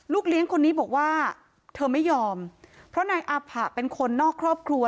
เลี้ยงคนนี้บอกว่าเธอไม่ยอมเพราะนายอาผะเป็นคนนอกครอบครัว